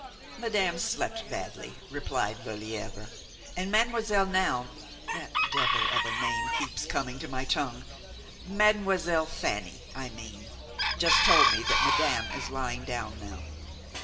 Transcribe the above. "Madame slept badly," replied Lelièvre, "and Mademoiselle Noun–that devil of a name keeps coming to my tongue!–Mademoiselle Fanny, I mean, just told me that madame is lying down now."